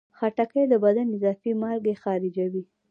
خټکی د بدن اضافي مالګې خارجوي.